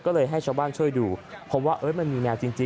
ก็เลยให้ชาวบ้านช่วยดูเพราะว่ามันมีแมวจริง